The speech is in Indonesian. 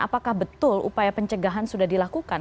apakah betul upaya pencegahan sudah dilakukan